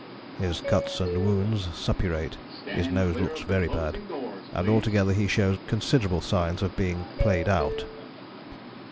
"His cuts and wounds suppurate, his nose looks very bad, and altogether he shows considerable signs of being played out."